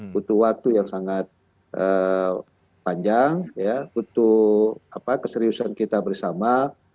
butuh waktu yang sangat panjang untuk keseriusan kita bersama